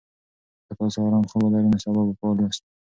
که تاسي ارام خوب ولرئ، نو سبا به فعال یاست.